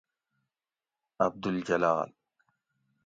عبدالجلال